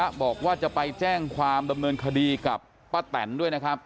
บอกว่าจะไปแจ้งความดำเนินคดีกับป้าแตนด้วยนะครับ